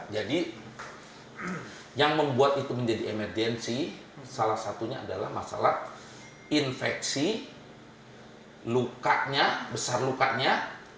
jadi yang membuat itu menjadi emergensi salah satunya adalah masalah infeksi lukanya besar lukanya